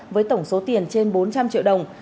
với tổng số tiền trên bốn trăm linh triệu đồng